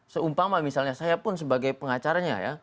seumpama misalnya saya pun sebagai pengacaranya ya